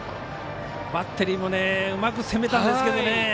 バッテリーもうまく攻めたんですけどね。